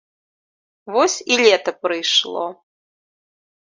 Вось і лета прыйшло.